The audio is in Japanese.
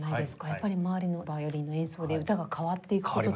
やっぱり周りのヴァイオリンの演奏で歌が変わっていく事も。